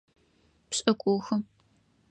Пшӏыкӏухы.